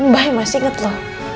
mbak masih inget lo